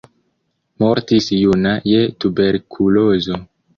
Mortis juna je tuberkulozo.